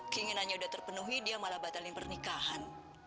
keinginannya sudah terpenuhi dia malah batalin pernikahan